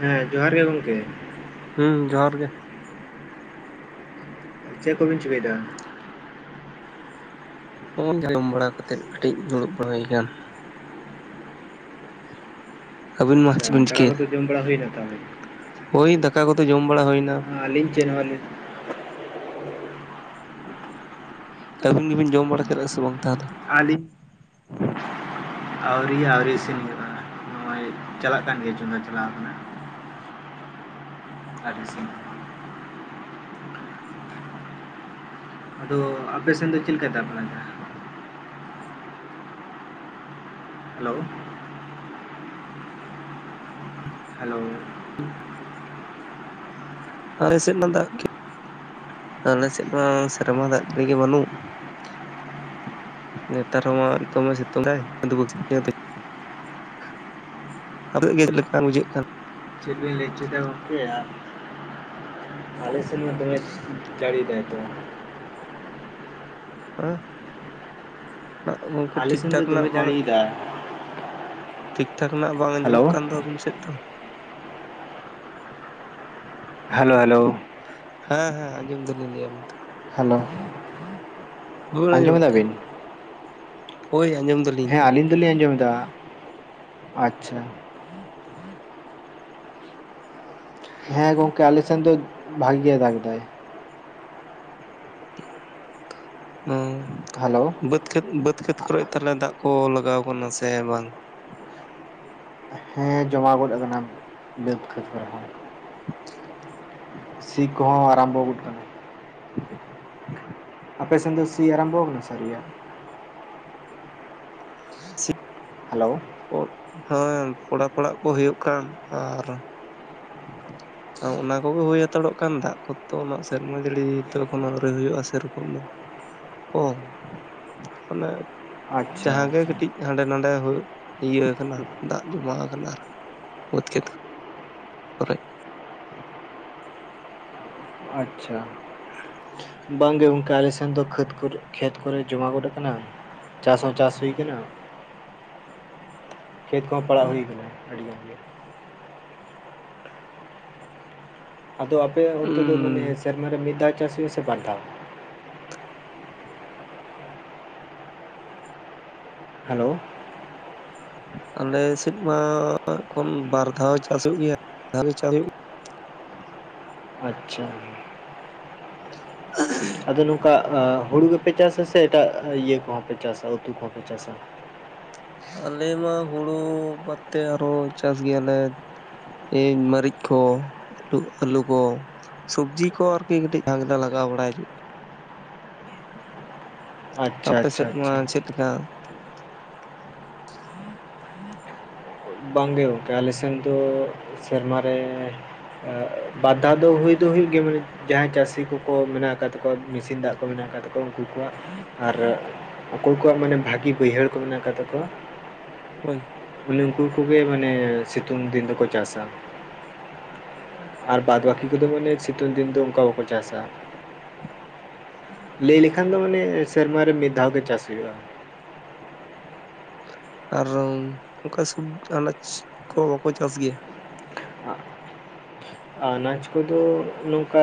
ᱦᱮᱸ ᱡᱚᱦᱟᱨ ᱜᱮ ᱜᱚᱝᱠᱮ᱾ ᱦᱩᱸ ᱡᱚᱦᱟᱨ ᱜᱮ᱾ ᱪᱮᱜ ᱠᱚᱵᱤᱱ ᱪᱤᱠᱟᱹᱭᱫᱟ? ᱚᱱ ᱡᱚᱢ ᱵᱟᱲᱟ ᱠᱟᱛᱮᱜ ᱠᱟᱹᱴᱤᱡ ᱫᱩᱲᱩᱵ ᱵᱟᱲᱟ ᱦᱩᱭ ᱠᱟᱱ᱾ ᱟᱹᱵᱤᱱ ᱢᱟ ᱟᱪᱪᱷᱟ ᱪᱮᱫ ᱵᱤᱱ ᱫᱟᱠᱟ ᱪᱤᱠᱟᱹᱭᱮᱫᱟ ᱠᱚᱫᱚ ᱡᱚᱢ ᱵᱟᱲᱟ ᱦᱩᱭᱱᱟ ᱛᱟᱦᱞᱮ? ᱦᱳᱭ ᱫᱟᱠᱟ ᱠᱚᱫᱚ ᱡᱚᱢ ᱵᱟᱲᱟ ᱦᱩᱭᱱᱟ᱾ ᱟᱞᱤᱧ ᱪᱮᱜ ᱦᱚ ᱞᱤᱧ᱾ ᱟᱹᱵᱤᱱ ᱜᱮᱵᱤᱱ ᱡᱚᱢ ᱵᱟᱲᱟ ᱠᱮᱫ-ᱟ ᱥᱮ ᱵᱟᱝ ᱛᱟᱦᱞᱮ᱾ ᱟᱞᱤ ᱟᱣᱨᱤ ᱟᱣᱨᱤ ᱤᱥᱤᱱ ᱦᱩᱭᱩᱜ ᱟ᱾ ᱚᱭ ᱪᱟᱞᱟᱜ ᱠᱟᱱ ᱜᱮᱭᱟ ᱪᱚᱸᱫᱟ ᱪᱟᱞᱟᱣ ᱠᱟᱱᱟ ᱟᱨ ᱤᱥᱤᱱ ᱟᱫᱚ ᱟᱯᱮᱥᱮᱱ ᱫᱚ ᱪᱮᱞᱠᱟ ᱫᱟᱜ ᱵᱟᱲᱟ ᱫᱟ? ᱦᱮᱞᱳᱣ ᱦᱮᱞᱳ [inaudible] ᱟᱨᱮ ᱥᱮᱱ ᱫᱚ ᱫᱟᱜ ᱠᱤ ᱟᱞᱮᱥᱮᱫ ᱢᱟ ᱥᱮᱨᱢᱟ ᱫᱟᱜ ᱡᱟᱹᱲᱤ ᱜᱮ ᱵᱟᱹᱱᱩᱜ᱾ ᱱᱮᱛᱟᱨ ᱦᱚᱸ ᱢᱟ ᱫᱚᱢᱮ ᱥᱤᱛᱩᱝ ᱛᱟᱭ‌ [unintelligible] [unintelligible] ᱞᱮᱠᱟᱱ ᱵᱩᱡᱷᱟᱹᱜ ᱠᱟᱱᱟ ᱾ ᱪᱮᱫ ᱵᱮᱱ ᱞᱟᱹᱭ ᱪᱚᱭᱫᱟ ᱜᱚᱝᱠᱮ? ᱟᱞᱮᱥᱮᱱ ᱢᱟ ᱫᱚᱢᱮᱭ ᱡᱟᱹᱲᱤᱭ ᱫᱟᱭ ᱛᱚ᱾ ᱟᱸ ᱱᱟᱜ ᱜᱚᱝᱠᱮ ᱟᱞᱮ ᱴᱷᱤᱠ ᱥᱮᱱ ᱫᱚ ᱴᱷᱟᱠ ᱱᱟᱜ ᱫᱚᱢᱮ ᱵᱟᱝ ᱟᱜ ᱡᱟᱹᱲᱤᱭᱮᱫᱟ ᱴᱷᱤᱠ ᱴᱷᱟᱠ ᱱᱟᱜ ᱵᱟᱝ ᱦᱮᱞᱳ ᱟᱸᱡᱚᱢᱚᱜ ᱠᱟᱱ ᱫᱚ ᱟᱵᱤᱱ ᱥᱮᱫ ᱫᱚ? Hello hello. ᱦᱮᱸ ᱦᱮᱸ ᱟᱸᱡᱚᱢ ᱫᱟᱞᱤᱧ ᱞᱟᱹᱭᱟ ᱟᱵᱤᱱ ᱛᱚ ᱾ ᱦᱮᱞᱳ᱾ ᱟᱸᱡᱚᱢ ᱮᱫᱟ ᱵᱤᱱ? [unintelligible] ᱦᱳᱭ ᱟᱸᱡᱚᱢ ᱫᱚ ᱦᱮᱸ ᱟᱹᱞᱤᱧ ᱫᱚᱞᱤᱧ ᱟᱸᱡᱚᱢ ᱫᱟ, ᱟᱪᱪᱷᱟ ᱾ ᱦᱮᱸ ᱜᱚᱝᱠᱮ ᱟᱞᱮ ᱥᱮᱱ ᱫᱚ ᱵᱷᱟᱞᱮ ᱜᱮ ᱫᱟᱜ ᱫᱟᱭ ᱾ [unintelligible] ᱦᱮᱞᱳ᱾ ᱵᱟᱹᱫᱽ ᱠᱷᱮᱛ ᱵᱟᱹᱫᱽ ᱠᱷᱮᱛ ᱠᱚᱨᱮ ᱛᱟᱞᱦᱮ ᱫᱟᱜ ᱠᱚ ᱞᱟᱜᱟᱣ ᱠᱟᱱᱟ ᱥᱮ ᱵᱟᱝ? ᱦᱮᱸ ᱡᱚᱢᱟᱣ ᱜᱚᱫ ᱟᱠᱟᱱᱟ ᱵᱟᱹᱫᱽ ᱠᱷᱮᱛ ᱠᱚᱨᱮᱦᱚᱸ ᱾ ᱥᱤ ᱠᱚᱦᱚᱸ ᱟᱨᱟᱢᱵᱚ ᱜᱚᱫ ᱠᱟᱱᱟ ᱾ ᱟᱯᱮ ᱥᱮᱱ ᱫᱚ ᱥᱤ ᱟᱨᱟᱢᱵᱚ ᱠᱟᱱᱟ ᱥᱮ ᱟᱣᱨᱤ-ᱟ? ᱥᱤ ᱦᱮᱞᱳ᱾ ᱚᱛ ᱦᱮᱸᱢ ᱯᱚᱲᱟ ᱠᱚᱲᱟᱜ ᱠᱚ ᱦᱳᱭᱳᱜ ᱠᱟᱱ ᱟᱨ ᱾ ᱚᱱᱟ ᱠᱚᱜᱮ ᱦᱳᱭ ᱦᱟᱛᱟᱲᱚᱜ ᱠᱟᱱ ᱫᱟᱜ ᱠᱚᱛᱚ ᱩᱱᱟᱹᱜ ᱥᱮᱨᱢᱟ ᱡᱟᱹᱲ ᱛᱚ ᱮᱠᱷᱚᱱᱚ ᱟᱹᱣᱨᱤ ᱦᱳᱭᱳᱜ-ᱟ ᱥᱮᱨᱚᱠᱚᱢ ᱫᱚ ᱾ ᱚ ᱟᱱᱮ ᱟᱪᱪᱷᱟ ᱡᱟᱦᱟᱸᱜ ᱜᱮ ᱟᱪᱪᱷᱟ ᱠᱟᱹᱴᱤᱡ ᱦᱟᱸᱰᱮ ᱱᱟᱰᱮ ᱦᱳᱭᱳᱜ ᱤᱭᱟᱹ ᱠᱟᱱᱟ ᱫᱟᱜ ᱡᱩᱢᱟ ᱠᱟᱱᱟ ᱾ ᱵᱟᱹᱫᱽ ᱠᱷᱮᱛ ᱠᱚᱨᱮᱡ ᱾ ᱟᱪᱪᱷᱟ ᱾ ᱵᱟᱝᱜᱮ ᱜᱚᱝᱠᱮ ᱟᱞᱮ ᱥᱮᱱ ᱫᱚ ᱠᱷᱟᱹᱛ ᱠᱚᱨᱮ ᱠᱷᱮᱛ ᱠᱚᱨᱮ ᱡᱚᱢᱟ ᱜᱚᱫ ᱟᱠᱟᱱᱟ ᱾ ᱪᱟᱥ ᱦᱚᱸ ᱪᱟᱥ ᱦᱩᱭ ᱠᱟᱱᱟ ᱾ ᱠᱷᱮᱛ ᱠᱚᱦᱚᱸ ᱯᱟᱲᱟᱣ ᱦᱩᱭ ᱠᱟᱱᱟ ᱟᱹᱰᱤ ᱜᱟᱱ ᱜᱮ ᱾ ᱟᱫᱚ ᱟᱯᱮ ᱚᱱᱛᱮ ᱫᱚ ᱢᱟᱱᱮ ᱦᱩᱸ ᱥᱮᱨᱢᱟ ᱨᱮ ᱢᱤᱫ ᱫᱷᱟᱣ ᱪᱟᱥ ᱦᱩᱭᱩᱜ-ᱟ ᱥᱮ ᱵᱟᱨ ᱫᱷᱟᱣ? ᱦᱮᱞᱳ᱾ ᱟᱞᱮᱥᱮᱜ ᱢᱟ ᱠᱷᱚᱱ ᱵᱟᱨ ᱫᱷᱟᱣ ᱪᱟᱥᱚᱜ ᱜᱮᱭᱟ ᱵᱟᱨ ᱫᱷᱟᱣ ᱜᱮ ᱪᱟᱣ ᱟᱪᱪᱷᱟ᱾ [unintelligible] ᱟᱫᱚ ᱱᱚᱝᱠᱟ ᱦᱩᱲᱩ ᱜᱮᱯᱮ ᱪᱟᱥᱟ ᱥᱮ ᱮᱴᱟᱜ ᱤᱭᱟᱹ ᱠᱚᱦᱚᱸ ᱯᱮ ᱪᱟᱥᱟ ᱩᱛᱩ ᱠᱚᱦᱚᱸ ᱯᱮ ᱪᱟᱥᱟ? ᱟᱞᱮ ᱢᱟ ᱦᱩᱲᱩ ᱵᱟᱫᱽᱛᱮ ᱟᱨᱦᱚᱸ ᱪᱟᱥ ᱜᱮᱭᱟᱞᱮ ᱾ ᱮᱭ ᱢᱟᱹᱨᱤᱪ ᱠᱚ ᱟᱹᱞᱩ ᱟᱹᱞᱩ ᱠᱚ, ᱥᱚᱵᱽᱡᱤ ᱠᱚ ᱟᱨᱠᱤ ᱠᱟᱹᱴᱤᱡ ᱡᱟᱦᱟᱸ ᱜᱮᱞᱮ ᱞᱟᱜᱟᱣ ᱵᱟᱲᱟᱭ ᱦᱤᱭᱩᱜ ᱟᱪᱪᱷᱟ ᱟᱯᱮ ᱟᱪᱪᱷᱟ ᱥᱮᱫ ᱢᱟ ᱟᱪᱪᱷᱟ ᱪᱮᱫ ᱞᱮᱠᱟ? ᱵᱟᱝ ᱜᱮ ᱜᱚᱝᱠᱮ ᱟᱞᱮ ᱥᱮᱱ ᱫᱚ ᱥᱮᱨᱢᱟ ᱨᱮ ᱵᱟᱨ ᱫᱷᱟᱣ ᱫᱚ ᱦᱩᱭ ᱫᱚ ᱦᱩᱭᱩᱜ ᱜᱮᱭᱟ ᱢᱟᱱᱮ ᱡᱟᱦᱟᱸᱭ ᱪᱟᱹᱥᱤ ᱠᱚᱠᱚ ᱢᱮᱱᱟᱜ ᱟᱠᱟ ᱛᱟᱠᱚᱣᱟ ᱢᱤᱥᱤᱱ ᱫᱟᱜ ᱠᱚ ᱢᱮᱱᱟᱜ ᱟᱠᱟᱫ ᱛᱟᱠᱚᱣᱟ ᱩᱱᱠᱩ ᱠᱚᱣᱟᱜ, ᱟᱨ ᱚᱠᱚᱭ ᱠᱚᱣᱟᱜ ᱢᱟᱱᱮ ᱵᱷᱟᱹᱜᱤ ᱵᱟᱹᱭᱦᱟᱹᱲ ᱠᱚ ᱢᱮᱱᱟᱜ ᱟᱠᱟᱫ ᱛᱟᱠᱚᱣᱟ ᱦᱳᱭ᱾ ᱢᱟᱱᱮ ᱩᱱᱠᱩ ᱠᱚᱜᱮ ᱢᱟᱱᱮ ᱥᱤᱛᱩᱝ ᱫᱤᱱ ᱫᱚᱠᱚ ᱪᱟᱥᱟ ᱾ ᱟᱨ ᱵᱟᱫᱽ ᱵᱟᱠᱤ ᱠᱚᱫᱚ ᱢᱟᱱᱮ ᱥᱤᱛᱩᱝ ᱫᱤᱱ ᱫᱚ ᱚᱱᱠᱟ ᱵᱟᱠᱚ ᱪᱟᱥᱟ ᱾ ᱞᱟᱹᱭ ᱞᱮᱠᱷᱟᱱ ᱫᱚ ᱢᱟᱱᱮ ᱥᱮᱨᱢᱟ ᱨᱮ ᱢᱤᱫ ᱫᱷᱟᱣ ᱜᱮ ᱪᱟᱥ ᱦᱩᱭᱩᱜ-ᱟ ᱾ ᱟᱨ ᱚᱱᱠᱟ ᱥᱚᱵᱽᱡᱤ ᱟᱱᱟᱡᱽ ᱠᱚ ᱵᱟᱠᱚ ᱪᱟᱥ ᱜᱮᱭᱟ? ᱦᱟᱹᱜ ᱟᱨ ᱟᱱᱟᱡᱽ ᱠᱚᱫᱚ ᱱᱚᱝᱠᱟ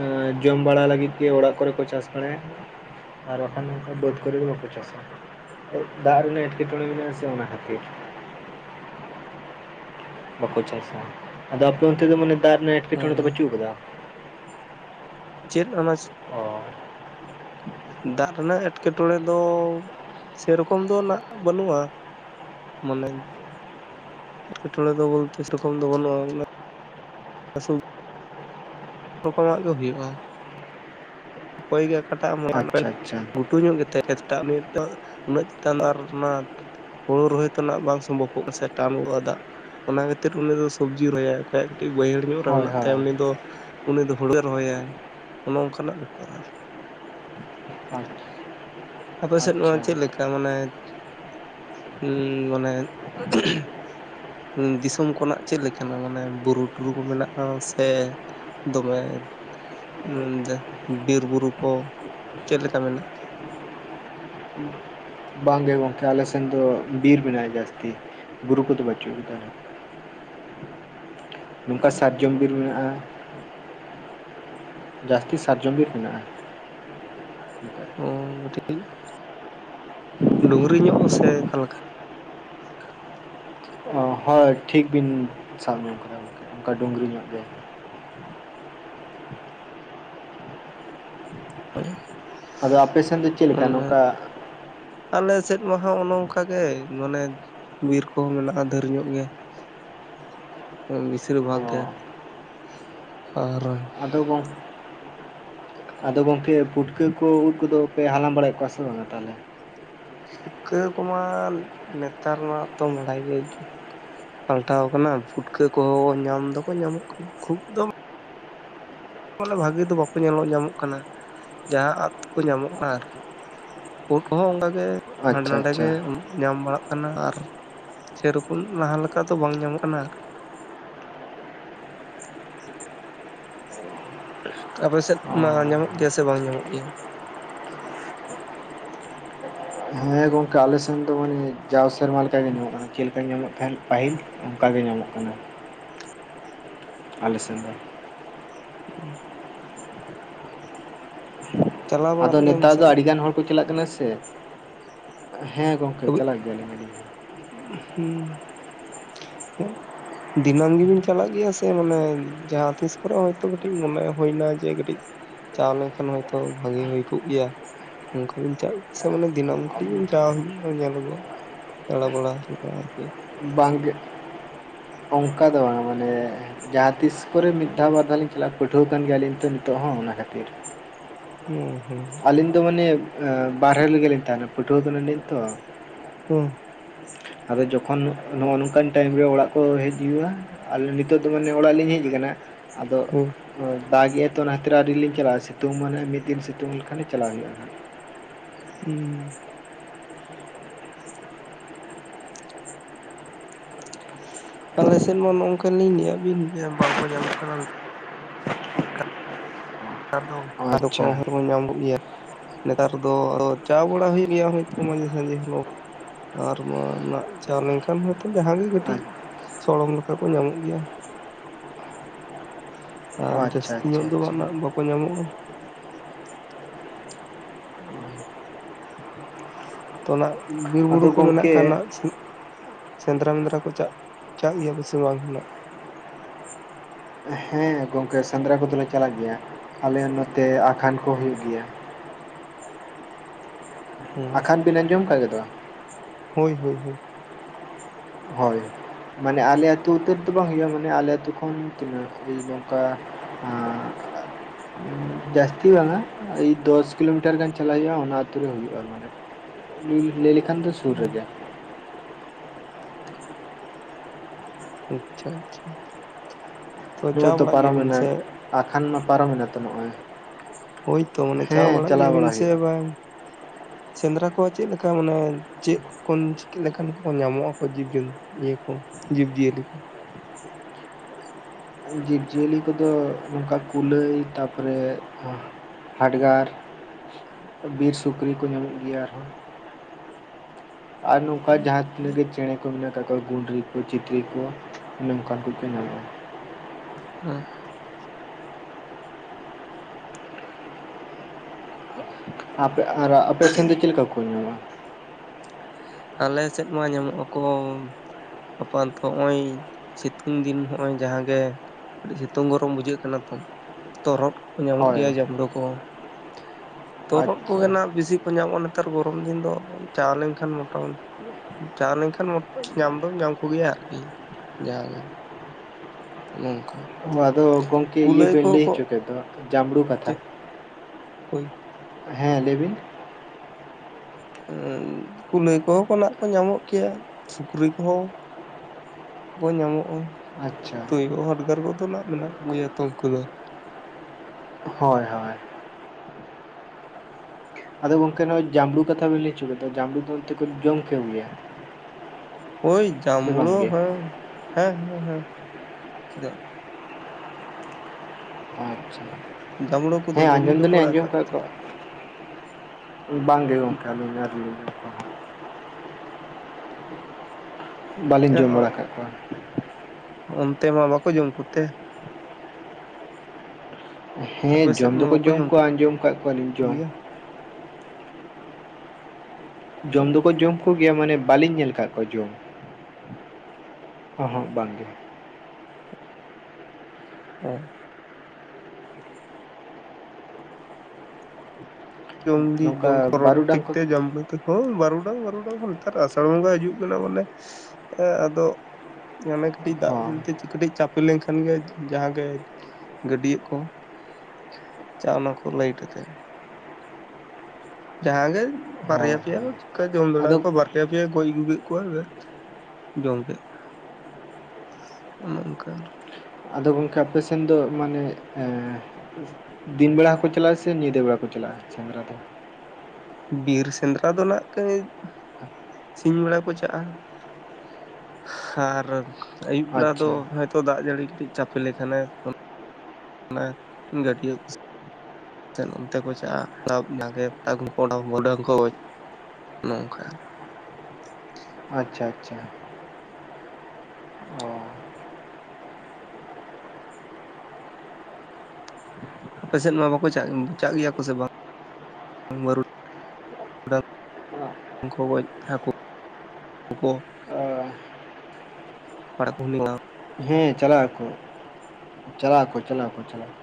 ᱟᱹ ᱡᱚᱢ ᱵᱟᱲᱟ ᱞᱟᱹᱜᱤᱫ ᱜᱮ ᱚᱲᱟᱜ ᱠᱚᱨᱮ ᱠᱚ ᱪᱟᱥ ᱵᱟᱲᱟᱭᱟ ᱾ ᱟᱨ ᱵᱟᱠᱷᱟᱱ ᱚᱱᱠᱟ ᱵᱟᱹᱫᱽ ᱠᱚᱨᱮ ᱫᱚ ᱵᱟᱠᱚ ᱪᱟᱥᱟ ᱫᱟᱜ ᱨᱮᱱᱟᱜ ᱮᱸᱴᱠᱮᱴᱚᱬᱮ ᱢᱮᱱᱟᱜᱼᱟ ᱥᱮ ᱚᱱᱟ ᱠᱷᱟᱹᱛᱤᱨ? ᱵᱟᱠᱚ ᱪᱟᱥᱟ ᱟᱫᱚ ᱟᱯᱮ ᱚᱱᱛᱮ ᱫᱚ ᱢᱟᱱᱮ ᱫᱟᱜ ᱨᱮᱱᱟᱜ ᱮᱸᱴᱠᱮᱴᱚᱬᱮ ᱫᱚ ᱦᱳᱭ ᱵᱟᱪᱩᱜ ᱟᱠᱟᱫᱟ? ᱪᱮᱫ ᱚᱱᱟ ᱚ ᱫᱟᱜ ᱨᱮᱱᱟᱜ ᱮᱸᱴᱠᱮᱴᱚᱬᱮ ᱫᱚ ᱥᱮᱨᱚᱠᱚᱢ ᱫᱚ ᱱᱟᱹᱜ ᱵᱟᱹᱱᱩᱜᱼᱟ ᱾ ᱢᱟᱱᱮ ᱮᱸᱴᱠᱮᱴᱚᱬᱮ ᱫᱚ ᱵᱚᱞᱛᱮ ᱥᱮᱨᱚᱠᱚᱢ ᱫᱚ ᱵᱟᱹᱱᱩᱜᱼᱟ ᱾ [inaudible] ᱨᱚᱠᱚᱢᱟᱜ ᱜᱮ ᱦᱩᱭᱩᱜᱼᱟ ᱾ ᱦᱩᱭ ᱜᱮ ᱟᱠᱟᱴᱟᱜ ᱟᱪᱪᱷᱟ ᱟᱪᱪᱷᱟ [unintelligible] ᱴᱩ ᱧᱚᱜ ᱜᱮᱛᱟᱭᱟ ᱠᱷᱮᱛᱴᱟᱜ ᱱᱤᱛᱚᱜ ᱩᱱᱟᱹᱜ ᱪᱮᱛᱟᱱ ᱫᱚ ᱟᱨ ᱢᱟ ᱦᱩᱲᱩ ᱨᱚᱦᱚᱭ ᱛᱚᱱᱟᱜ ᱵᱟᱝ ᱥᱚᱢᱵᱷᱚᱵᱚᱜ-ᱟ ᱥᱮ ᱴᱟᱱ ᱜᱚᱫ ᱫᱟᱜ ᱚᱱᱟ ᱠᱷᱟᱹᱛᱤᱨ ᱩᱱᱤ ᱫᱚ ᱥᱚᱵᱽᱡᱤ ᱨᱚᱦᱚᱭᱟᱭ ᱚᱠᱚᱭᱟᱜ ᱴᱤᱡ ᱵᱟᱹᱭᱦᱟᱹᱲ ᱧᱚᱜ ᱨᱮ ᱦᱳᱭ ᱢᱮᱱᱟᱜ ᱦᱳᱭ ᱛᱟᱭᱟ ᱩᱱᱤ ᱫᱚ ᱩᱱᱤ ᱫᱚ ᱦᱳᱲᱳᱭ ᱨᱚᱦᱚᱭᱟᱭ ᱚᱱᱮ ᱚᱱᱠᱟᱱᱟᱜ [unintelligible] ᱟᱯᱮ ᱥᱮᱫ ᱱᱚᱣᱟ ᱟᱪᱪᱷᱟ ᱪᱮᱫ ᱞᱮᱠ ᱛᱟᱨ ᱢᱟᱱᱮ ᱩ ᱢᱟᱱᱮ ᱫᱤᱥᱚᱢ ᱠᱚᱱᱟᱜ ᱪᱮᱫ ᱞᱮᱠᱟᱱᱟᱜ ᱢᱟᱱᱮ ᱵᱩᱨᱩ ᱴᱩᱨᱩ ᱠᱚ ᱢᱮᱱᱟᱜᱼᱟ ᱥᱮ? ᱫᱚᱢᱮ ᱵᱤᱨᱵᱩᱨᱩ ᱠᱚ ᱪᱮᱫ ᱞᱮᱠᱟ ᱢᱮᱱᱟᱜᱼᱟ? ᱵᱟᱝᱜᱮ ᱜᱚᱝᱠᱮ ᱟᱞᱮᱥᱮᱱ ᱫᱚ ᱵᱤᱨ ᱢᱮᱱᱟᱜᱼᱟ ᱡᱟᱹᱥᱛᱤ ᱵᱩᱨᱩ ᱠᱚᱫᱚ ᱵᱟᱹᱪᱩᱜ ᱟᱠᱟᱫᱼᱟ ᱱᱚᱝᱠᱟ ᱥᱟᱨᱡᱚᱢ ᱵᱤᱨ ᱢᱮᱱᱟᱜᱼᱟ ᱾ ᱡᱟᱹᱥᱛᱤ ᱥᱟᱨᱡᱚᱢ ᱵᱤᱨ ᱢᱮᱱᱟᱜᱼᱟ ᱢᱤᱫᱴᱤᱡ ᱰᱩᱝᱨᱤ ᱧᱚᱜ ᱟ ᱥᱮ ᱚᱠᱟᱞᱮᱠᱟ? ᱦᱳᱭ ᱴᱷᱤᱠ ᱵᱤᱱ ᱥᱟᱵ ᱧᱚᱜ ᱟᱠᱟᱫᱟ ᱚᱱᱠᱟ ᱰᱩᱝᱨᱤ ᱧᱚᱜ ᱜᱮ [inaudible] ᱟᱫᱚ ᱟᱯᱮᱥᱮᱱ ᱫᱚ ᱪᱮᱫ ᱞᱮᱠᱟ ᱢᱟᱱᱮ ᱱᱚᱝᱠᱟ ᱟᱞᱮ ᱥᱮᱫ ᱢᱟ ᱦᱟᱸᱜ ᱚᱱᱮ ᱚᱱᱠᱟᱜᱮ ᱢᱟᱱᱮ ᱵᱤᱨ ᱠᱚᱦᱚ ᱢᱮᱱᱟᱜᱼᱟ ᱫᱷᱮᱨ ᱧᱚᱜ ᱜᱮ ᱾ ᱵᱮᱥᱤᱨ ᱵᱷᱟᱜᱽ ᱚ ᱜᱮ ᱟᱨ ᱟᱫᱚ ᱜᱚᱝᱼ ᱟᱫᱚ ᱜᱚᱝᱠᱮ ᱯᱩᱴᱠᱟᱹ ᱠᱚ ᱩᱫ ᱠᱚᱫᱚ ᱯᱮ ᱦᱟᱞᱟᱝ ᱵᱟᱲᱟᱭᱮᱫ ᱠᱚᱣᱟ ᱥᱮ ᱵᱟᱝᱟ ᱛᱟᱦᱞᱮ? ᱯᱩᱴᱠᱟᱹ ᱠᱚᱢᱟ ᱱᱮᱛᱟᱨ ᱢᱟ ᱛᱚᱢ ᱵᱟᱲᱟᱭ ᱜᱮᱭᱟ ᱯᱟᱞᱴᱟᱣ ᱟᱠᱟᱱᱟ ᱯᱷᱩᱴᱠᱟᱹ ᱠᱚᱦᱚ ᱧᱟᱢ ᱫᱚᱠᱚ ᱧᱟᱢᱚᱜ ᱠᱟᱱᱟ ᱠᱷᱩᱵᱽ ᱫᱚ ᱢᱮᱱᱮ ᱵᱷᱟᱹᱜᱮ ᱫᱚ ᱵᱟᱠᱚ ᱧᱮᱞᱚᱜ ᱧᱟᱢᱚᱜ ᱠᱟᱱᱟ ᱡᱟᱦᱟ ᱟᱫ ᱠᱚ ᱧᱟᱢᱚᱜ ᱠᱟᱱᱟ ᱟᱨᱠᱤ ᱩᱫ ᱠᱚᱦᱚ ᱚᱱᱠᱟᱜᱮ ᱦᱟᱰᱮ ᱟᱪᱪᱷᱟ ᱱᱟᱰᱮ ᱜᱮ ᱟᱪᱪᱷᱟ ᱧᱟᱢ ᱵᱟᱲᱟᱜ ᱠᱟᱱᱟ ᱟᱨ ᱥᱮᱨᱚᱠᱚᱢ ᱞᱟᱦᱟ ᱞᱮᱠᱟ ᱫᱚ ᱵᱟᱝ ᱧᱟᱢᱚᱜ ᱠᱟᱱᱟ ᱟᱯᱮ ᱥᱮᱫ ᱚ ᱢᱟ ᱧᱟᱢᱚᱜ ᱜᱮᱭᱟ ᱥᱮ ᱵᱟᱝ ᱧᱟᱢᱚᱜ ᱜᱮᱭᱟ? ᱦᱮ ᱜᱚᱝᱠᱮ ᱟᱞᱮᱥᱮᱱ ᱫᱚ ᱢᱟᱱᱮ ᱡᱟᱣ ᱥᱮᱨᱢᱟ ᱞᱮᱠᱟ ᱜᱮ ᱧᱟᱢᱚᱜ ᱠᱟᱱᱟ ᱡᱮ ᱠᱟ ᱧᱟᱢᱚᱜ ᱛᱟᱦᱮᱸᱫ ᱯᱟᱹᱦᱤᱞ ᱚᱱᱠᱟ ᱜᱮ ᱧᱟᱢᱚᱜ ᱠᱟᱱᱟ ᱾ ᱟᱞᱮ ᱥᱮᱫ ᱫᱚ [unintelligible] ᱪᱟᱞᱟᱣ ᱟᱫᱚ ᱵᱟᱲᱟᱜ ᱜᱮᱭᱟᱢ ᱱᱮᱛᱟᱨ ᱥᱮ ᱫᱚ ᱟᱰᱤ ᱜᱟᱱ ᱦᱚᱲ ᱠᱚ ᱪᱟᱞᱟᱜ ᱠᱟᱱᱟ ᱥᱮ, ᱦᱮ ᱜᱚᱝᱠᱮ ᱪᱟᱞᱟᱜ ᱜᱮᱭᱟᱞᱤᱧ ᱦᱩ [inaudible] ᱫᱤᱱᱟᱹᱢ ᱜᱮᱵᱤᱱ ᱪᱟᱞᱟᱜ ᱜᱮᱭᱟ ᱥᱮ ᱢᱟᱱᱮ ᱡᱟᱸᱦᱟ ᱛᱤᱥ ᱠᱚᱨᱮ ᱦᱚᱭᱛᱳ ᱠᱟᱹᱴᱤᱡ ᱢᱚᱱᱮ ᱦᱩᱭᱮᱱᱟ ᱡᱮ ᱠᱟᱹᱴᱤᱡ ᱪᱟᱣ ᱞᱮᱱᱠᱷᱟᱱ ᱦᱚᱭᱛᱚ ᱵᱷᱟᱜᱤ ᱦᱩᱭ ᱠᱚᱜ ᱜᱮᱭᱟ᱾ ᱚᱱᱠᱟ ᱵᱤᱱ ᱪᱟᱞ ᱜᱮᱭᱟ ᱥᱮ ᱢᱟᱱᱮ ᱫᱤᱱᱟᱹᱢ ᱠᱟᱹᱴᱤᱡ ᱵᱤᱱ ᱪᱟ ᱦᱩᱡᱩᱜᱼᱟ ᱧᱮᱞ ᱟᱜᱩᱣᱟᱜ᱾ ᱯᱮᱲᱟ ᱵᱟᱲᱟ ᱟᱠᱟᱱᱟ ᱟᱨᱠᱤ᱾ ᱵᱟᱝᱜᱮ, ᱚᱱᱠᱟ ᱫᱚ ᱵᱟᱝ ᱢᱟᱱᱮ ᱡᱟᱸᱦᱟ ᱛᱤᱥ ᱠᱚᱨᱮ ᱢᱤᱫ ᱫᱷᱟᱣ ᱵᱟᱨ ᱫᱷᱟᱣ ᱞᱤᱧ ᱪᱟᱞᱟᱜᱼᱟ, ᱯᱟᱹᱴᱷᱩᱣ ᱠᱟᱱ ᱜᱮᱭᱟ ᱞᱤᱧ ᱛᱚ ᱱᱤᱛᱚᱜ ᱦᱚᱸ ᱚᱱᱟ ᱠᱷᱟᱹᱛᱤᱨ ᱾ [inaudible] ᱟᱹᱞᱤᱧ ᱫᱚ ᱢᱟᱱᱮ ᱵᱟᱨᱦᱮ ᱨᱮᱜᱮᱞᱤᱧ ᱛᱟᱦᱮᱱᱟ ᱯᱟᱹᱴᱷᱩᱣᱟᱹ ᱠᱟᱱᱟᱞᱤᱧ ᱛᱚ, ᱦᱩᱸ ᱟᱫᱚ ᱡᱚᱠᱷᱚᱱ ᱱᱚᱜᱚ ᱱᱚᱝᱠᱟᱱ ᱴᱟᱭᱤᱢ ᱨᱮ ᱚᱲᱟᱜ ᱠᱚ ᱦᱮᱡ ᱦᱩᱭᱩᱜᱼᱟ, [inaudible] ᱱᱤᱛᱚᱜ ᱫᱚ ᱢᱟᱱᱮ ᱚᱲᱟᱜ ᱞᱤᱧ ᱦᱮᱡ ᱟᱠᱟᱱᱟ, ᱟᱫᱚ ᱦᱩᱸ ᱫᱟᱜ ᱮᱜᱟᱭ ᱛᱚ ᱚᱱᱟ ᱠᱷᱟᱛᱤᱨ ᱟᱣᱨᱤᱞᱤᱧ ᱪᱟᱞᱟᱜᱼᱟ, ᱥᱤᱛᱩᱝ ᱢᱟᱱᱮ ᱢᱤᱫ ᱫᱤᱱ ᱥᱤᱛᱩᱝ ᱞᱮᱠᱷᱟᱱᱮ ᱪᱟᱞᱟᱜ ᱦᱩᱭᱩᱜᱼᱟ ᱱᱟᱜ ᱾ [inaudible] ᱟᱞᱮ ᱥᱮᱫ ᱢᱟ ᱱᱚᱜᱝᱠᱟ ᱞᱤᱧ ᱞᱟᱹᱭᱟᱫ ᱵᱤᱱ, ᱡᱮ ᱵᱟᱝᱠᱚ ᱧᱟᱢᱚᱜ ᱠᱟᱱᱟ᱾ ᱱᱮᱛᱟᱨ ᱫᱚ ᱟᱫᱚ ᱟᱪᱪᱷᱟ ᱠᱚᱢ ᱦᱚᱵᱚᱱ ᱧᱟᱢ [inaudible] ᱜᱮᱭᱟ ᱾ ᱱᱮᱛᱟᱨ ᱫᱚ ᱪᱟ ᱵᱟᱲᱟ ᱦᱩᱭᱩᱜ ᱜᱮᱭᱟ ᱦᱚᱭᱛᱚ ᱢᱟᱡᱮ ᱥᱟᱡᱷᱮ ᱦᱤᱞᱳᱜ᱾ ᱟᱨ [inaudible] ᱪᱟ ᱞᱮᱱᱠᱷᱟᱱ ᱦᱚᱭᱛᱚ ᱡᱟᱸᱦᱟᱸ ᱜᱮ ᱠᱟᱹᱴᱤᱡ ᱟᱪᱪᱷᱟ ᱥᱚᱲᱚᱢ ᱞᱮᱠᱟ ᱠᱚ ᱧᱟᱢᱚᱜ ᱜᱮᱭᱟ ᱾ ᱟᱨ ᱟᱪᱪᱷᱟ ᱡᱟᱹᱥᱛᱤ ᱧᱚᱜ ᱫᱚ ᱦᱟᱸᱜ ᱟᱪᱪᱷᱟ ᱵᱟᱝ ᱵᱟᱠᱚ ᱧᱟᱢᱚᱜᱼᱟ ᱾ ᱛᱚ ᱚᱱᱟ ᱵᱤᱨ ᱵᱩᱨᱩ ᱟᱫᱚ ᱠᱚ ᱜᱚᱢᱠᱮ ᱢᱮᱱᱟᱜ [inaudible] ᱥᱮᱸᱫᱽᱨᱟ ᱢᱮᱸᱫᱽᱨᱟ ᱠᱚ ᱪᱟᱜ, ᱪᱟᱜ ᱜᱮᱭᱟ ᱯᱮᱥᱮ ᱵᱟᱝ ᱱᱟᱜ? ᱦᱮᱸ ᱜᱚᱝᱠᱮ ᱥᱮᱸᱫᱽᱨᱟ ᱠᱚᱫᱚᱞᱮ ᱪᱟᱞᱟᱜ ᱜᱮᱭᱟ, ᱟᱞᱮ ᱱᱚᱛᱮ ᱟᱠᱷᱟᱱ ᱠᱚ ᱦᱩᱭᱩᱜ ᱜᱮᱭᱟ ᱾ ᱦᱮᱸ ᱟᱠᱷᱟᱱ ᱵᱤᱱ ᱟᱸᱡᱚᱢ ᱟᱠᱟᱜ ᱜᱮᱫᱚ? ᱦᱳᱭ ᱦᱳᱭ ᱦᱳᱭ᱾ ᱦᱳᱭ ᱢᱟᱱᱮ ᱟᱞᱮ ᱟᱛᱳ ᱩᱛᱟᱹᱨ ᱫᱚ ᱵᱟᱝ ᱦᱩᱭᱩᱜᱼᱟ, ᱢᱟᱱᱮ ᱟᱞᱮ ᱟᱹᱛᱩ ᱠᱷᱚᱱ ᱛᱤᱱᱟᱹᱜ ᱱᱚᱝᱠᱟ [inaudible] ᱡᱟᱹᱥᱛᱤ ᱵᱟᱝ-ᱟ, ᱮ ᱫᱚᱥ ᱠᱤᱞᱳᱢᱤᱴᱟᱨ ᱜᱟᱱ ᱪᱟᱞᱟᱜ ᱦᱩᱭᱩᱜᱼᱟ, ᱚᱱᱟ ᱟᱹᱛᱩ ᱨᱮ ᱦᱩᱭᱩᱜᱼᱟ ᱟᱨ ᱢᱟᱱᱮ ᱞᱟ. ᱭ, ᱞᱟᱹᱭ ᱞᱮᱠᱷᱟᱱ ᱫᱚ ᱥᱩᱨ ᱨᱮᱜᱮ᱾ ᱟᱪᱪᱷᱟ ᱟᱪᱪᱷᱟ ᱛᱚ, ᱱᱚᱜᱼᱚᱭ ᱪᱟ ᱵᱟᱲᱟᱜ ᱜᱮᱭᱟ ᱵᱤᱱ ᱯᱟᱨᱚᱢᱮᱱᱟ ᱥᱮ? ᱟᱠᱷᱟᱱ ᱢᱟ ᱯᱟᱨᱚᱢ ᱮᱱᱟ ᱛᱚ ᱱᱚᱜᱼᱚᱭ᱾ ᱦᱳᱭᱛᱚ ᱢᱟᱱᱮ ᱪᱟ ᱦᱮᱸ ᱵᱟᱲᱟᱜ ᱪᱟᱞᱟᱣ ᱜᱮᱭᱟ ᱵᱤᱱ ᱵᱟᱲᱟ ᱥᱮ ᱦᱩᱭᱩᱜᱼᱟ ᱵᱟᱝ? ᱥᱮᱸᱫᱽᱨᱟ ᱠᱚ ᱪᱮᱫ ᱞᱮᱠᱟ ᱢᱟᱱᱮ, ᱪᱮᱫ ᱠᱷᱚᱱ ᱪᱤᱠᱟ. ᱞᱮᱠᱟᱱ ᱠᱚᱠᱚ ᱧᱟᱢᱚᱜ ᱟᱠᱚ ᱡᱤᱵᱽ ᱡᱚᱱᱛᱩ ᱤᱭᱟᱹ ᱠᱚ ᱡᱤᱵᱽ ᱡᱤᱭᱟᱹᱞᱤ ᱠᱚ? ᱡᱤᱵᱽ ᱡᱤᱭᱟᱹᱞᱤ ᱠᱚᱫᱚ ᱱᱚᱝᱠᱟ ᱠᱩᱞᱟᱹᱭ ᱛᱟᱨᱯᱚᱨᱮ ᱦᱟᱰᱜᱟᱨ, ᱵᱤᱨ ᱥᱩᱠᱨᱤ ᱠᱚ ᱧᱟᱢᱚᱜ ᱜᱮᱭᱟ ᱟᱨ ᱦᱚᱸ᱾ ᱟᱨ ᱱᱚᱝᱠᱟ ᱡᱟᱸᱦᱟᱸ ᱛᱤᱱᱟᱹᱜ ᱜᱮ ᱪᱮᱬᱮ ᱠᱚ ᱢᱮᱱᱟᱜ ᱠᱟᱜ ᱠᱚᱣᱟ ᱜᱩᱸᱰᱨᱤ ᱠᱚ, ᱪᱤᱛᱨᱤ ᱠᱚ, ᱱᱚᱝᱠᱟ ᱠᱚᱠᱚ ᱧᱟᱢᱚᱜᱼᱟ᱾ ᱦᱮᱸ [inaudible] ᱟᱯᱮ ᱟᱨ ᱟᱯᱮ ᱥᱮᱱ ᱫᱚ ᱪᱮᱫ ᱞᱮᱠᱟ ᱠᱚ ᱧᱟᱢᱟ? ᱟᱞᱮ ᱥᱮᱫ ᱢᱟ ᱧᱟᱢᱚᱜ ᱟᱠᱚ᱾ ᱟᱯᱟᱱᱚᱛᱚ ᱦᱚᱸᱜ-ᱚᱭ ᱥᱤᱛᱩᱝ ᱫᱤᱱ ᱦᱚᱸᱜ-ᱚᱭ ᱡᱟᱦᱟᱸᱜ ᱜᱮ᱾ ᱟᱹᱰᱤ ᱥᱤᱛᱩᱝ ᱜᱚᱨᱚᱢ ᱵᱩᱡᱷᱟᱹᱜ ᱠᱟᱱᱟ ᱛᱚ ᱛᱚᱨᱦᱚᱫ ᱠᱚᱠᱚ ᱧᱟᱢᱚᱜ ᱦᱳᱭ ᱜᱮᱭᱟ ᱡᱟᱸᱢᱵᱩᱲᱩ ᱠᱚ᱾ ᱛᱚᱨᱦᱚᱫ ᱟᱪᱪᱷᱟ ᱠᱚᱜᱮ ᱱᱟᱜ ᱵᱮᱥᱤ ᱠᱚ ᱧᱟᱢᱚᱜ-ᱟ, ᱱᱮᱛᱟᱨ ᱜᱚᱨᱚᱢ ᱫᱤᱱ ᱫᱚ ᱪᱟᱣ ᱞᱮᱱᱠᱷᱟᱱ [inaudible] ᱪᱟᱣ ᱞᱮᱱᱠᱷᱟᱱ [inaudible] ᱧᱟᱢ ᱫᱚᱢ ᱧᱟᱢ ᱠᱚᱜᱮᱭᱟ ᱟᱨᱠᱤ ᱡᱟᱸᱦᱟᱸ ᱜᱮ᱾ ᱱᱚᱝᱠᱟ᱾ ᱟᱫᱚ ᱜᱚᱝᱠᱮ ᱤᱭᱟᱹ ᱠᱩᱞᱟᱹᱭ ᱵᱮᱱ ᱠᱚ ᱞᱟᱹᱭ ᱠᱚ ᱦᱚᱪᱚ ᱠᱮᱫ ᱫᱚ ᱡᱟᱢᱲᱩ ᱠᱟᱛᱷᱟ ᱪᱮᱫ ᱦᱳᱭ, ᱦᱮᱸ ᱞᱟᱹᱭ ᱵᱤᱱ᱾ ᱠᱩᱞᱟᱹᱭ ᱠᱚᱦᱚᱸ ᱠᱚ ᱱᱟᱸᱜ ᱠᱚ ᱧᱟᱢᱚᱜ ᱜᱮᱭᱟ ᱥᱩᱠᱨᱤ ᱠᱚᱦᱚᱸ ᱠᱚ ᱧᱟᱢᱚᱜ-ᱟ, ᱟᱪᱪᱷᱟ ᱛᱩᱭᱩ ᱦᱟᱰᱜᱟᱨ ᱠᱚᱫᱚ ᱱᱟᱸᱜ ᱢᱮᱱᱟᱜ ᱠᱚᱜᱮᱭᱟ ᱛᱚ ᱩᱱᱠᱩ ᱫᱚ᱾ ᱦᱳᱭ ᱦᱳᱭ, ᱟᱫᱚ ᱜᱚᱝᱠᱮ ᱱᱚᱜ-ᱚᱭ ᱡᱟᱢᱵᱽᱲᱩ ᱠᱟᱛᱷᱟ ᱵᱤᱱ ᱞᱟᱹᱭ ᱦᱚᱪᱚ ᱠᱮᱫ ᱫᱚ ᱡᱟᱢᱵᱽᱲᱩ ᱫᱚ ᱚᱱᱛᱮ ᱠᱚ ᱡᱚᱢ ᱠᱚ ᱜᱮᱭᱟ? ᱳᱭ ᱥᱮ ᱡᱟᱢᱵᱽᱲᱳ ᱵᱟᱝᱜᱮ ᱦᱮᱸ ᱦᱮᱸ ᱦᱮᱸ ᱦᱮᱸ ᱪᱮᱫᱟ ᱵᱟ ᱟᱪᱪᱷᱟ, ᱡᱟᱢᱲᱳ ᱦᱮᱸ ᱠᱚᱫᱚ ᱵᱟᱹᱵᱤᱱ ᱟᱸᱡᱚᱢ ᱡᱚᱢ ᱫᱚᱞᱤᱧ ᱵᱟᱲᱟ ᱟᱸᱡᱚᱢ ᱟᱠᱟᱫ ᱠᱟᱫ ᱛᱮ ᱠᱚᱣᱟ᱾ ᱵᱟᱝᱜᱮ ᱜᱚᱝᱠᱮ [unintelligible] ᱵᱟᱹᱞᱤᱧ ᱡᱚᱢ ᱵᱟᱲᱟ ᱪᱮᱫᱟᱜ ᱟᱠᱟᱫ ᱠᱚᱣᱟ᱾ ᱚᱱᱛᱮ ᱢᱟ ᱵᱟᱠᱚ ᱡᱚᱢ ᱠᱚᱛᱮ? ᱟᱯᱮ ᱦᱮᱸ ᱥᱮᱫ ᱡᱚᱢ ᱫᱚᱠᱚ ᱢᱟ ᱵᱟᱠᱚ ᱡᱚᱢ ᱠᱚᱣᱟ ᱟᱸᱡᱚᱢ ᱟᱠᱟᱫ ᱠᱚᱣᱟᱞᱤᱧ ᱡᱚᱢ᱾ ᱠᱚᱜᱮᱭᱟ ᱡᱚᱢ ᱫᱚᱠᱚ ᱡᱚᱢ ᱠᱚᱜᱮᱭᱟ ᱢᱟᱱᱮ ᱵᱟᱹᱞᱤᱧ ᱧᱮᱞ ᱟᱠᱟᱫ ᱠᱚᱣᱟ ᱡᱚᱢ᱾ ᱚ ᱦᱚᱸᱜ ᱵᱟᱝ ᱜᱮ᱾ ᱚᱻ ᱡᱚᱝᱞᱤ ᱱᱚᱝᱠᱟ ᱵᱟᱹᱨᱩᱰᱟᱝ ᱠᱚ [unintelligible] ᱮᱠᱷᱳᱱ ᱵᱟᱨᱩᱰᱟᱝ ᱢᱟᱨᱩᱰᱟᱝ ᱦᱚᱸ ᱱᱮᱛᱟᱨ ᱟᱥᱟᱲ ᱵᱚᱸᱜᱟ ᱦᱤᱡᱩᱜ ᱠᱟᱱᱟ ᱢᱟᱱᱮ ᱟᱫᱚ ᱚᱱᱮ ᱠᱟᱹᱴᱤᱡ ᱫᱟᱜ ᱦᱚᱸ ᱡᱟᱹᱲᱤ ᱛᱮ ᱠᱟᱹᱴᱤᱡ ᱪᱟᱯᱮ ᱞᱮᱱᱠᱷᱟᱱ ᱜᱮ ᱡᱟᱦᱟᱸ ᱜᱮ ᱜᱟᱹᱰᱤᱭᱟᱹ ᱠᱚ [inaudible] ᱪᱟᱣᱱᱟᱠᱚ ᱞᱟᱹᱭᱤᱴ ᱟᱛᱮ ᱡᱟᱦᱟᱸ ᱜᱮ ᱦᱳᱭ ᱵᱟᱨᱭᱟ ᱯᱮᱭᱟ ᱦᱳᱭ ᱪᱮᱠᱟ ᱡᱚᱢ ᱟᱫᱚ ᱫᱟᱲᱮᱭᱟ ᱠᱚ ᱵᱟᱨ ᱭᱟ ᱯᱮᱭᱟ ᱜᱚᱡ ᱟᱹᱜᱩ ᱠᱮᱫ ᱠᱚᱣᱟᱭ ᱡᱚᱢ ᱠᱮᱫ ᱠᱚᱣᱟ᱾ ᱚᱱᱮ ᱚᱝᱠᱟ᱾ ᱟᱫᱚ ᱜᱚᱝᱠᱮ ᱟᱯᱮ ᱥᱮᱱ ᱫᱚ ᱢᱟᱱᱮ ᱮᱸ ᱫᱤᱱ ᱵᱮᱲᱟ ᱦᱚᱸᱠᱚ ᱪᱟᱞᱟᱜ-ᱟ ᱥᱮ ᱧᱤᱫᱟᱹ ᱵᱮᱲᱟ ᱠᱚ ᱪᱟᱞᱟᱜ-ᱟ ᱥᱮᱸᱫᱽᱨᱟ ᱫᱚ? ᱵᱤᱨ ᱥᱮᱸᱫᱽᱨᱟ ᱫᱚ ᱱᱟᱸᱜ ᱠᱟᱹᱪ ᱥᱤᱧ ᱵᱮᱲᱟ ᱠᱚ ᱪᱟᱜ-ᱟ᱾ ᱟᱨ ᱟᱹᱭᱩᱵ ᱵᱮᱲᱟ ᱫᱚ ᱟᱪᱪᱷᱟ ᱦᱳᱭᱛᱳ ᱫᱟᱜ ᱡᱟᱹᱲᱤ ᱠᱟᱹᱴᱤᱡ ᱪᱟᱯᱮ ᱞᱮᱠᱷᱟᱱᱮ ᱚᱱᱟ ᱜᱟᱹᱰᱭᱟᱹ ᱠᱚ ᱥᱮ ᱥᱮᱫ ᱚᱱᱛᱮ ᱠᱚ ᱪᱟᱜ-ᱟ ᱡᱟᱸᱜᱮ [unintelligible] ᱠᱚ ᱱᱚᱝᱠᱟ ᱟᱨ ᱟᱪᱪᱷᱟ ᱟᱪᱪᱷᱟ, ᱚ ᱟᱯᱮᱥᱮᱫ ᱢᱟ ᱵᱟᱠᱚ ᱪᱟᱜ ᱪᱟᱜ ᱜᱮᱭᱟ ᱠᱚ ᱥᱮ ᱵᱟᱝ? ᱵᱟᱹᱨᱩᱰᱟᱝ ᱩᱱᱠᱩ ᱜᱚᱡ ᱦᱟᱹᱠᱩ ᱠᱚ ᱚ [unintelligible] ᱦᱮᱸ ᱪᱟᱞᱟᱜ ᱟᱠᱩ, ᱪᱟᱞᱟᱜ ᱟᱠᱩ ᱪᱟᱞᱟᱜ ᱟᱠᱩ ᱪᱟᱞᱟᱜ ᱟᱠᱩ᱾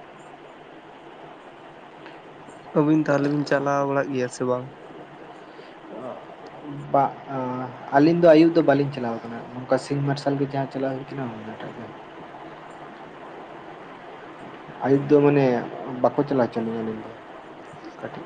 ᱟᱵᱤᱱ ᱛᱟᱦᱚᱞᱮ ᱵᱤᱱ ᱪᱟᱞᱟᱣ ᱵᱟᱲᱟᱜ ᱜᱮᱭᱟ ᱥᱮ ᱵᱟᱝ? [inaudible] ᱵᱟ ᱟᱹᱞᱤᱧ ᱫᱚ ᱟᱹᱭᱩᱵ ᱫᱚ ᱵᱟᱹᱞᱤᱧ ᱪᱟᱞᱟᱣ ᱟᱠᱟᱱᱟ᱾ ᱚᱱᱠᱟ ᱥᱤᱝ ᱢᱟᱨᱥᱟᱞ ᱜᱮ ᱡᱟ ᱪᱟᱞᱟᱣ ᱦᱩᱭ ᱠᱟᱱᱟ᱾ ᱟᱹᱭᱩᱵ ᱫᱚ ᱢᱟᱱᱮ ᱵᱟᱠᱚ ᱪᱟᱞᱟᱣ ᱚᱪᱚ ᱟᱞᱤᱧᱟ ᱟ. ᱞᱤᱧ ᱫᱚ ᱠᱟᱹᱴᱤᱡ᱾